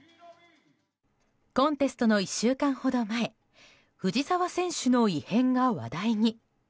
コンテストの１週間ほど前藤澤選手の異変が話題に。